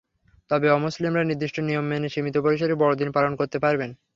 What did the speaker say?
তবে অমুসলিমরা নির্দিষ্ট নিয়ম মেনে সীমিত পরিসরে বড়দিন পালন করতে পারবেন।